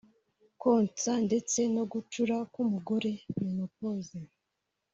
konsa ndetse no gucura k’umugore (menopause)